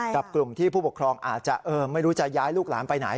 กับกลุ่มที่ผู้ปกครองอาจจะไม่รู้จะย้ายลูกหลานไปไหน